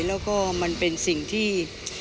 แล้วก็มันเป็นสิ่งที่